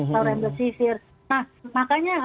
taurendosifir nah makanya